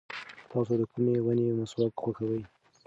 تاسو د کومې ونې مسواک خوښوئ؟